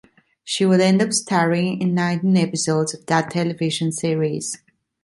She would end up starring in nineteen episodes of that television series.